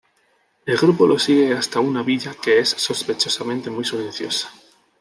El grupo lo sigue hasta una villa que es sospechosamente muy silenciosa.